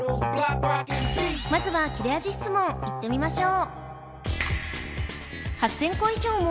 まずは切れ味質問いってみましょう